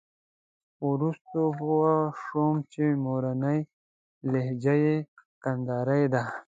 خو وروسته پوه شو چې مورنۍ لهجه یې کندارۍ ده.